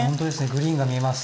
グリーンが見えます。